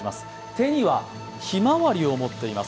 手にはひまわりを持っています